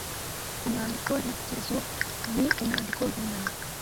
Umwandiko ntekerezo ni umwandiko mpimbano